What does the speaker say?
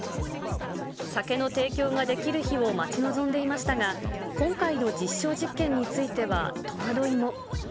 酒の提供ができる日を待ち望んでいましたが、今回の実証実験については戸惑いも。